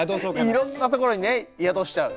いろんなところにね宿しちゃう。